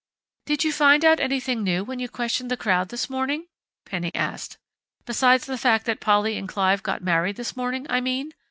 "Did you find out anything new when you questioned the crowd this morning?" Penny asked. "Besides the fact that Polly and Clive got married this morning, I mean....